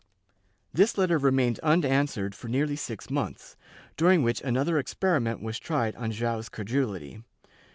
* This letter remained unanswered for nearly six months, during which another experiment was tried on Joao's credulity.